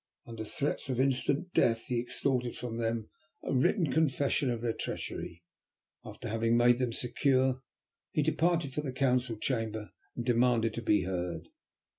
Under threats of instant death he extorted from them a written confession of their treachery. After having made them secure, he departed for the council chamber and demanded to be heard.